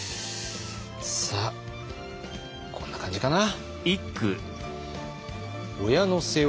さあこんな感じかな？